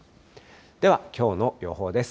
では、きょうの予報です。